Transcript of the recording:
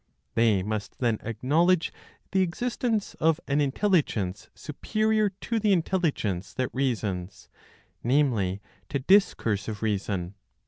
They must then acknowledge the existence of an Intelligence superior to the intelligence that reasons, namely, to discursive reason.